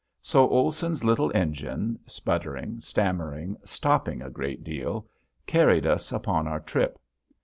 So Olson's little engine, sputtering, stammering, stopping a great deal, carried us upon our trip.